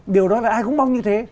điều đó là ai cũng mong như thế